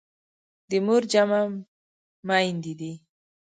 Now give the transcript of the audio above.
د مور جمع میندي دي.